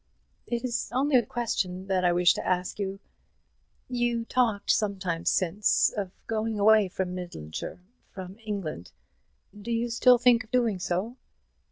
"It is only a question that I wish to ask. You talked some time since of going away from Midlandshire from England; do you still think of doing so?"